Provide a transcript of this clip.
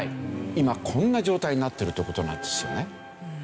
今こんな状態になってるという事なんですよね。